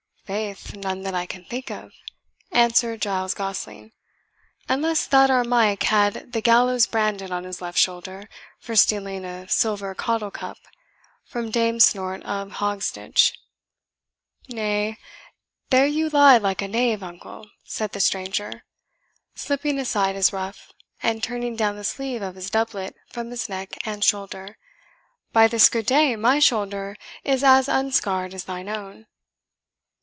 "Faith, none that I can think of," answered Giles Gosling, "unless that our Mike had the gallows branded on his left shoulder for stealing a silver caudle cup from Dame Snort of Hogsditch." "Nay, there you lie like a knave, uncle," said the stranger, slipping aside his ruff; and turning down the sleeve of his doublet from his neck and shoulder; "by this good day, my shoulder is as unscarred as thine own.